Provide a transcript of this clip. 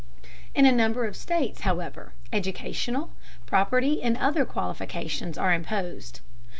In a number of states, however, educational, property and other qualifications are imposed.